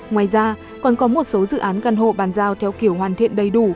ngoài ra còn có một số dự án căn hộ bàn giao theo kiểu hoàn thiện đầy đủ